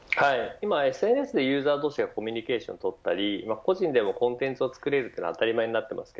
今、ＳＮＳでユーザー同士がコミュニケーションを取ったり個人でもコンテンツを作れるのは当たり前になっています。